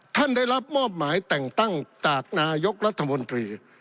ได้รับมอบหมายแต่งตั้งจากนายกรัฐมนตรี